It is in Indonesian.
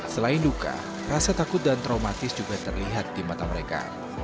selain duka rasa takut dan traumatis juga terlihat di mata mereka